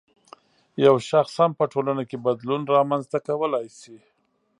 یو شخص هم په ټولنه کې بدلون رامنځته کولای شي